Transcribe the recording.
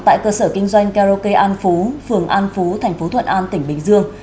tại cơ sở kinh doanh karaoke an phú phường an phú tp thuận an tỉnh bình dương